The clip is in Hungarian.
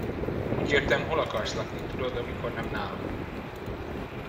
Úgy értem, hol akarsz lakni, tudod, amikor nem nálam.